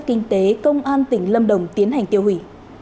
cảnh sát kinh tế công an tỉnh lâm đồng tiến hành tiêu hủy